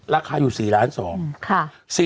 ราคาอยู่๔๒๐๐บาท